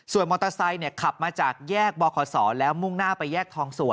มอเตอร์ไซค์ขับมาจากแยกบขศแล้วมุ่งหน้าไปแยกทองสวย